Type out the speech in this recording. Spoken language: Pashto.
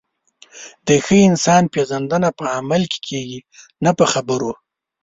د ښه انسان پیژندنه په عمل کې کېږي، نه په خبرو.